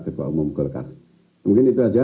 ketua umum golkar mungkin itu saja